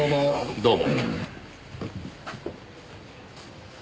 どうも。